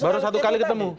baru satu kali ketemu